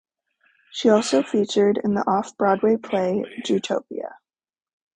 She also featured in the off-Broadway play "Jewtopia".